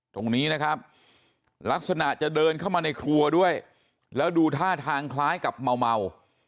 ตรงนี้นะครับลักษณะจะเดินเข้ามาในครัวด้วยแล้วดูท่าทางคล้ายกับเมา